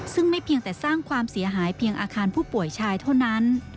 ซึ่งไม่เพียงแต่สร้างความเสียหายเพียงอาคารผู้ป่วยชายเท่านั้น